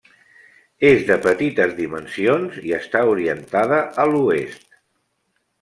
És de petites dimensions i està orientada a l'oest.